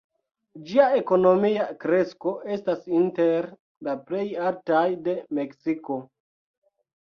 Ĝia ekonomia kresko estas inter la plej altaj de Meksiko.